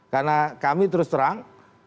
karena kami terus terang